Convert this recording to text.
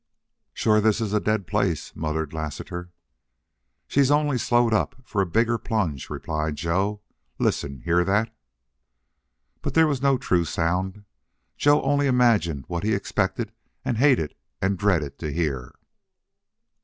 "Shore this 's a dead place," muttered Lassiter. "She's only slowed up for a bigger plunge," replied Joe. "Listen! Hear that?" But there was no true sound, Joe only imagined what he expected and hated and dreaded to hear.